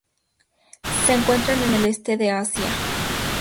Se encuentran en el este de Asia.